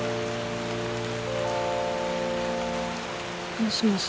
もしもし。